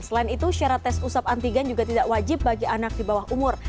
selain itu syarat tes usap antigen juga tidak wajib bagi anak di bawah umur